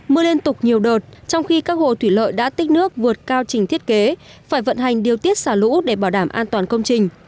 mưa liên tục nhiều đợt trong khi các hồ thủy lợi đã tích nước vượt cao trình thiết kế phải vận hành điều tiết xả lũ để bảo đảm an toàn công trình